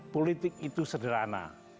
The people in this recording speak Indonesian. politik itu sederhana